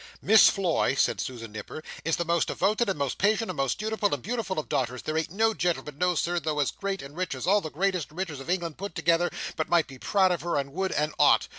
"Miss Floy," said Susan Nipper, "is the most devoted and most patient and most dutiful and beautiful of daughters, there ain't no gentleman, no Sir, though as great and rich as all the greatest and richest of England put together, but might be proud of her and would and ought.